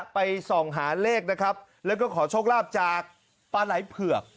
ไปส่องหาเลขนะครับแล้วก็ขอโชคลาภจากปลาไหล่เผือก